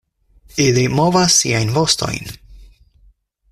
Ili movas siajn vostojn.